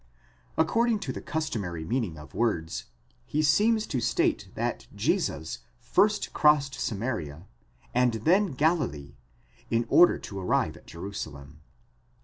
According to the customary meaning of words, he seems to state that Jesus first crossed Samaria, and then Galilee, in order to arrive at Jeru salem.